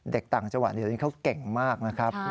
ต่างจังหวัดเดี๋ยวนี้เขาเก่งมากนะครับ